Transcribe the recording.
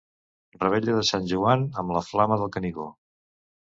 Revetlla de Sant Joan amb la Flama del Canigó.